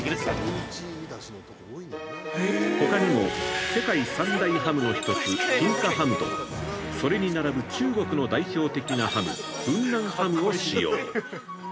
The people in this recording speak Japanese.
◆ほかにも世界三大ハムの１つ金華ハムと、それに並ぶ中国の代表的なハム雲南ハムを使用。